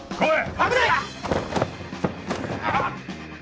危ない！